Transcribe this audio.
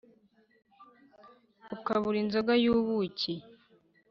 ukabura inzoga y’ubuki